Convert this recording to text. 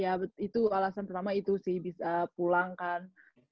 ya itu alasan pertama itu sih bisa pulang kan